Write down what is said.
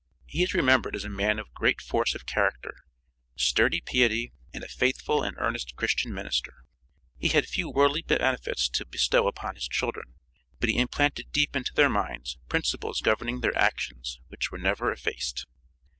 He is remembered as a man of great force of character, sturdy piety and a faithful and earnest Christian minister. He had few worldly benefits to bestow upon his children, but he implanted deep into their minds principles governing their actions which were never effaced.